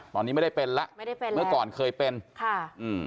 ตอนนี้ไม่ได้เป็นละเมื่อก่อนเคยเป็นพี่ก้อไม่ได้เป็นหนึ่ง